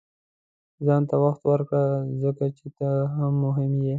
• ځان ته وخت ورکړه، ځکه چې ته هم مهم یې.